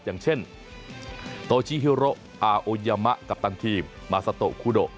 อย่างเช่นโตชิฮิโรอาโอยามะกัปตันทีมมาซาโตคูโด